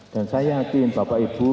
dan saya yakin bapak ibu